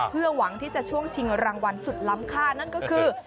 เพื่อหวังที่จะช่วงชิงรางวัลสุดล้ำค่านั่นก็คือ